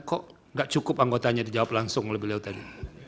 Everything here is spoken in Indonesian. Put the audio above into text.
kok gak cukup anggotanya dijawab langsung oleh beliau tadi